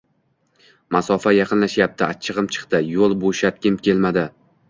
Masofa yaqinlashyapti. Achchigʻim chiqdi, yoʻl boʻshatgim kelmadi.